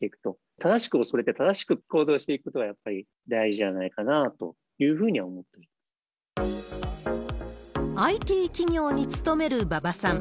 正しく恐れて、正しく行動していくことがやっぱり大事じゃないかなというふうにＩＴ企業に勤める馬場さん。